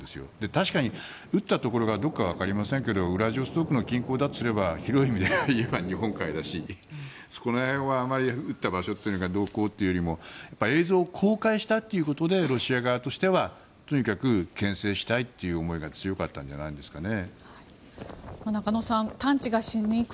確かに撃ったところがどこかわかりませんがウラジオストクの近郊だとすれば広い意味で言えば日本海だし撃った場所がどうこうというよりも映像を公開したことでロシア側としてはとにかくけん制したいという思いが強かったんじゃないですかね。